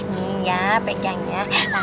nih ya pegangnya